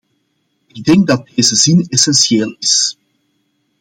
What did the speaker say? Ik denk dat deze zin essentieel is.